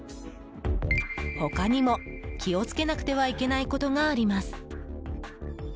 他にも、気をつけなくてはいけないことがあります。